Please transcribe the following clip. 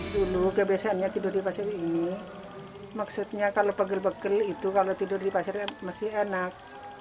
dulu kebiasaannya tidur di pasir ini maksudnya kalau pegel pegel itu kalau tidur di pasirnya masih enak